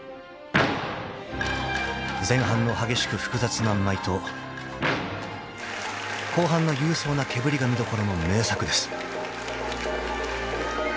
［前半の激しく複雑な舞と後半の勇壮な毛振りが見どころの名作です］